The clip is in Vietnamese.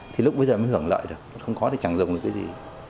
thì lúc bây giờ mới hưởng lợi được không có thì chẳng dùng được cái gì